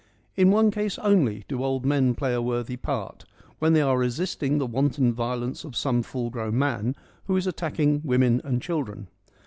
In one case only do old men play a worthy part ; when they are resisting the wanton violence of some full grown man who is attacking women and children.